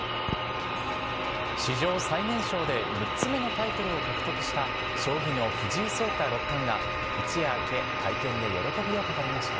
史上最年少で６つ目のタイトルを獲得した将棋の藤井聡太六冠が、一夜明け、会見で喜びを語りました。